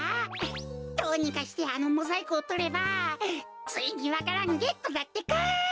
どうにかしてあのモザイクをとればついにわか蘭ゲットだってか！